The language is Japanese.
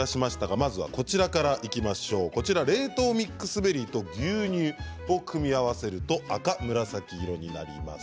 まず冷凍ミックスベリーと牛乳を組み合わせると赤紫色になります。